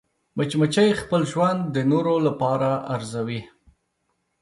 مچمچۍ خپل ژوند د نورو لپاره ارزوي